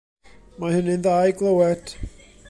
Mae hynny'n dda i glywed.